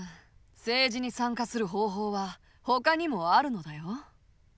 政治に参加する方法はほかにもあるのだよ。